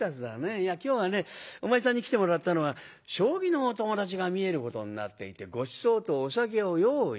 いや今日はねお前さんに来てもらったのは将棋のお友達が見えることになっていてごちそうとお酒を用意した。